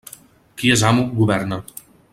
Qui és amo, governa.